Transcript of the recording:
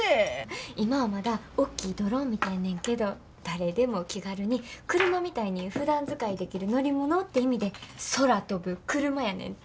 今はまだおっきいドローンみたいねんけど誰でも気軽に車みたいにふだん使いできる乗り物って意味で空飛ぶクルマやねんて。